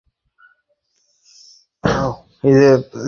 তিনি আনাতোলিয়ায় তুর্কি জাতীয় আন্দোলনের সাথে যোগ দেয়ার সিদ্ধান্ত নেন।